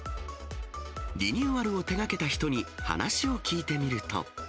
リニューアルを手がけた人に話を聞いてみると。